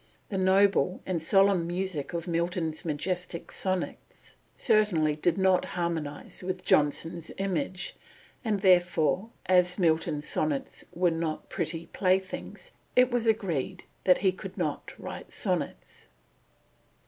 The noble and solemn music of Milton's majestic sonnets certainly did not harmonise with Johnson's image, and, therefore, as Milton's sonnets were not pretty playthings, it was agreed that he could not write sonnets.